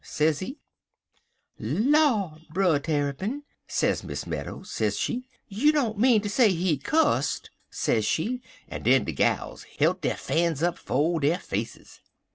sezee: "'Law, Brer Tarrypin,' sez Miss Meadows, sez she, 'you don't mean ter say he cusst?' sez she, en den de gals hilt der fans up 'fo' der faces.